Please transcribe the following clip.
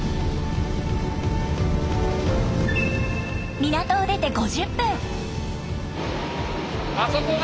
港を出て５０分。